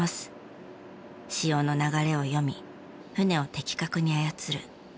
潮の流れを読み船を的確に操る。